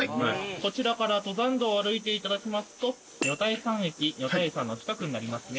こちらから登山道を歩いていただきますと女体山駅女体山の近くになりますね。